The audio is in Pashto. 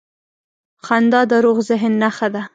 • خندا د روغ ذهن نښه ده.